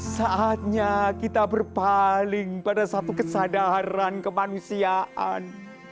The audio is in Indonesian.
saatnya kita berpaling pada satu kesadaran kemanusiaan